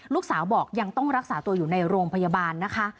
ลูกสาวบอกยังต้องรักษาตัวอยู่ในโรงพยาบาลนะคะ